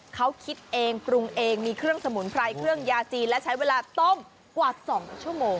เขาคิดเองปรุงเองมีเครื่องสมุนไพรเครื่องยาจีนและใช้เวลาต้มกว่า๒ชั่วโมง